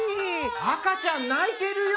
・あかちゃんないてるよ。